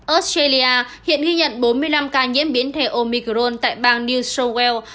australia hiện ghi nhận bốn mươi năm ca nhiễm biến thể omicron tại bang new south wales